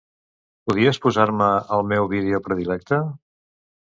Podries posar-me el meu vídeo predilecte?